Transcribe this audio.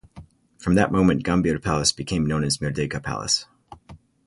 From that moment, Gambir Palace became known as Merdeka Palace.